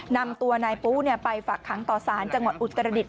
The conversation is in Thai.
นำตัวนายปุ๊ไปฝากขังต่อสารจังหวัดอุตรดิษฐ